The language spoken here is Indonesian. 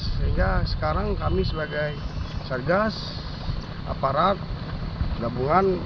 sehingga sekarang kami sebagai sargas aparat gabungan